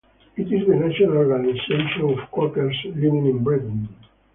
It is the national organisation of Quakers living in Britain.